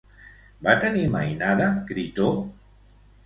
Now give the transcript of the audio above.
Va tenir mainada Critó?